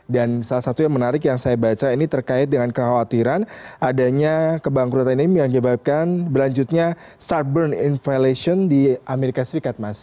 dan salah satu yang menarik yang saya baca ini terkait dengan kekhawatiran adanya kebangkrutan ini yang menyebabkan berlanjutnya start burn inflation di amerika serikat mas